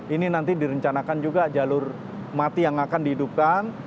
ini nanti direncanakan juga jalur mati yang akan dihidupkan